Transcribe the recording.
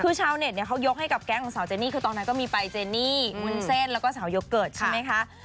คือชาวเน็ตเนี่ยเขายกให้กับแก๊งของสาวเจนี่คือตอนนั้นก็มีไปเจนี่วุ้นเส้นแล้วก็สาวยกเกิดใช่ไหมคะ